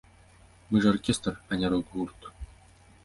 Мы ж аркестр, а не рок-гурт.